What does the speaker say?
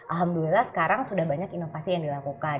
alhamdulillah sekarang sudah banyak inovasi yang dilakukan